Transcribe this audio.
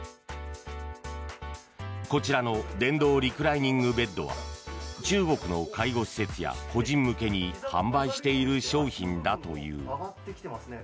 こちらの電動リクライニングベッドは中国の介護施設や個人向けに販売している商品だという。